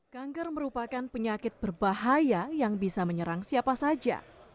kanker merupakan penyakit berbahaya yang bisa menyerang siapa saja